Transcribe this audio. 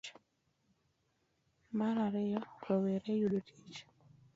Mar ariyo, rowere yudo tich.